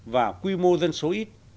và quy mô dân số ít